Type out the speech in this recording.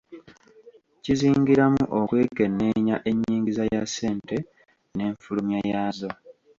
Kizingiramu okwekenneenya ennyingiza ya ssente n'enfulumya yaazo.